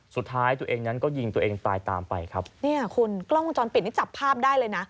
สุดท้ายตัวเองนั้นก็ยิงตัวเองตายตามไปครับเนี่ยคุณกล้องวงจรปิดนี่จับภาพได้เลยนะ